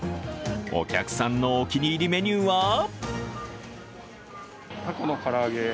お客さんのお気に入りメニューは。